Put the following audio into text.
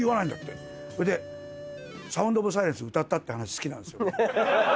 ほいで『サウンド・オブ・サイレンス』歌ったって話好きなんですよ。